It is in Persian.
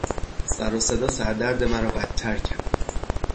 سروصدا سر درد مرا بدتر کرد.